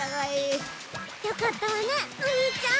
よかったわねお兄ちゃん！